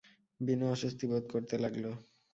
বিনু অস্বস্তি বোধ করতে লাগল।